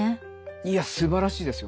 いやすばらしいですよ